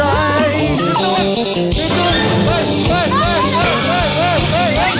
เดี๋ยว